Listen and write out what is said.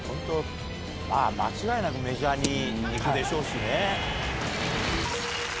間違いなくメジャーに行くでしょうしね。